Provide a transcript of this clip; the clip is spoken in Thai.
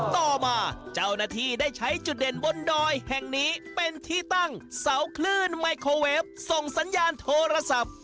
ต่อมาเจ้าหน้าที่ได้ใช้จุดเด่นบนดอยแห่งนี้เป็นที่ตั้งเสาคลื่นไมโครเวฟส่งสัญญาณโทรศัพท์